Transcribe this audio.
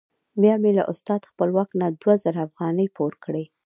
بیا مې له استاد خپلواک نه دوه زره افغانۍ پور کړې.